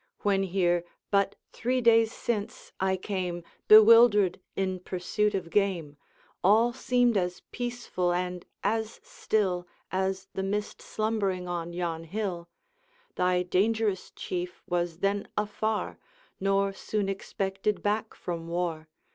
When here, but three days since, I came Bewildered in pursuit of game, All seemed as peaceful and as still As the mist slumbering on yon hill; Thy dangerous Chief was then afar, Nor soon expected back from war.